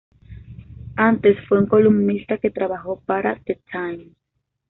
Antes fue un columnista que trabajó para "The Times".